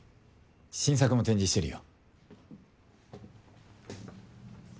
新作も展示してるよ。